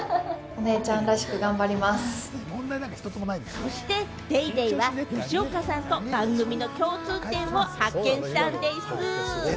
そして『ＤａｙＤａｙ．』が吉岡さんと番組の共通点を発見したんでぃす。